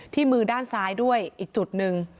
มือด้านซ้ายด้วยอีกจุดหนึ่ง